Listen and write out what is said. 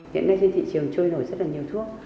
hiện nay trên thị trường trôi nổi rất là nhiều thuốc